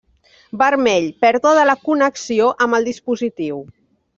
Vermell; pèrdua de la connexió amb el dispositiu.